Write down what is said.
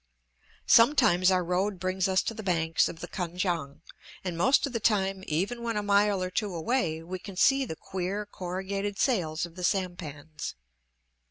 Sometimes our road brings us to the banks of the Kan kiang, and most of the time, even when a mile or two away, we can see the queer, corrugated sails of the sampans.